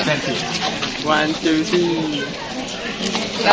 ขอบคุณมากขอบคุณค่ะ